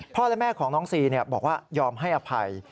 และแม่ของน้องซีบอกว่ายอมให้อภัย